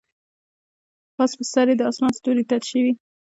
پاس پر سر یې د اسمان ستوري تت شوي